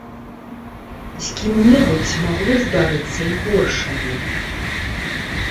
З кім-небудзь магло здарыцца і горшае.